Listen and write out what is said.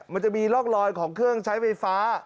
มันจะมีร่องรอยของเครื่องใช้ไฟฟ้า